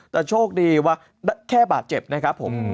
แต่โชคดีว่าแค่บาดเจ็บนะครับผม